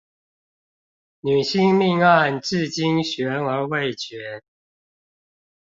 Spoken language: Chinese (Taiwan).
女星命案至今懸而未決